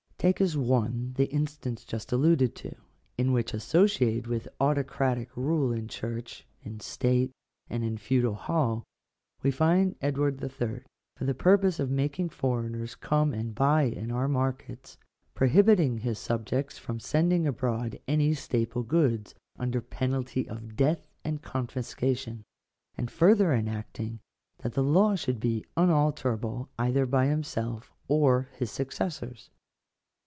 Take as one the instance just alluded to, in which associated with autocratic rule in church, in state, and in feudal hall, we find Edward III., for the purpose of making foreigners come and buy in our markets, prohibiting his subjects from sending abroad any staple goods "under penalty of death and confiscation;" and further enacting, " that the law should be unalterable either by himself or his successors."